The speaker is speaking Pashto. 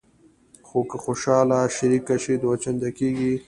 خو که خوشحالي شریکه شي دوه چنده کېږي.